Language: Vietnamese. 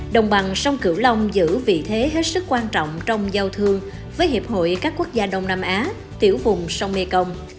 đồng bằng sông cửu long giữ vị thế hết sức quan trọng trong giao thương với hiệp hội các quốc gia đông nam á tiểu vùng sông mekong